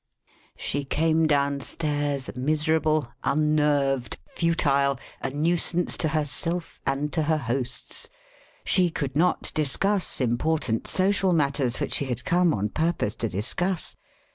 She came downstairs miserable, unnerved, futile, a nuisance to herself and to her hosts. She could not discuss important social matters, which she had come on purpose to discuss.